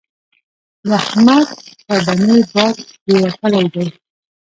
د احمد په بنۍ باد کېوتلی دی.